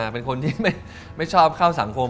เป็นคนที่ไม่ชอบเข้าสังคม